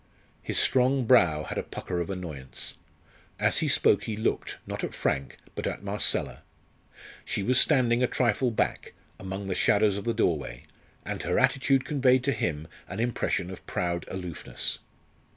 His strong brow had a pucker of annoyance. As he spoke he looked, not at Frank, but at Marcella. She was standing a trifle back, among the shadows of the doorway, and her attitude conveyed to him an impression of proud aloofness.